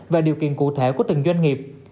và điều kiện cụ thể của từng doanh nghiệp